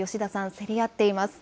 競り合っています。